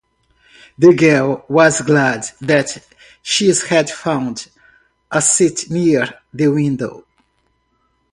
The girl was glad that she had found a seat near the window.